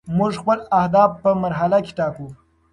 موږ خپل اهداف په مرحله کې ټاکو.